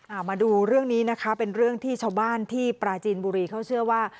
เอามาดูเรื่องนี้นะคะเป็นเรื่องที่ชาวบ้านที่ปราจีนบุรีเขาเชื่อว่า